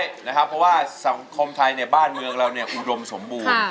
เพราะว่าสังคมไทยบ้านเมืองเราอุดมสมบูรณ์